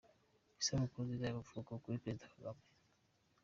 Isabukuru nziza y’amavuko kuri Perezida Kagame.”